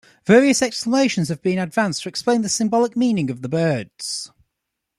Various explanations have been advanced to explain the symbolic meaning of the birds.